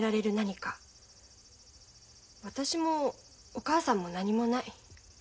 私もお母さんも何もない。